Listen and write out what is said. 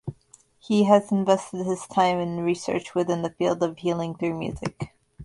He has invested his time in research within the field of healing through music.